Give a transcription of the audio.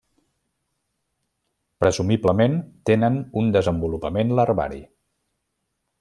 Presumiblement tenen un desenvolupament larvari.